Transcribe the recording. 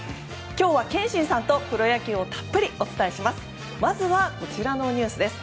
今日は憲伸さんとプロ野球たっぷりお伝えします。